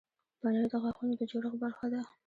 پنېر د غاښونو د جوړښت برخه ده.